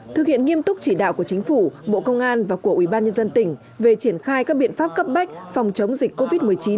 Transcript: thực hiện nghiêm túc chỉ đạo của chính phủ bộ công an và của ubnd tỉnh về triển khai các biện pháp cấp bách phòng chống dịch covid một mươi chín